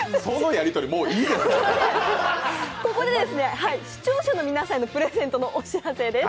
ここで視聴者の皆さんにプレゼントのお知らせです。